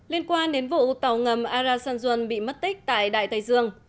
liên quan đến vụ tàu ngầm ara sanjuan bị mất tích tại đại tây dương